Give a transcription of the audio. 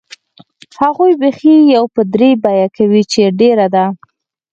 هغوی بیخي یو په درې بیه کوي چې ډېره ده.